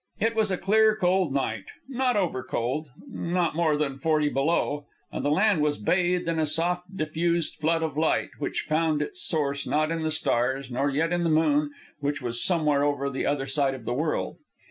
It was a clear, cold night, not over cold, not more than forty below, and the land was bathed in a soft, diffused flood of light which found its source not in the stars, nor yet in the moon, which was somewhere over on the other side of the world.